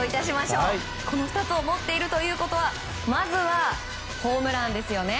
この２つを持っているということはまずは、ホームランですよね。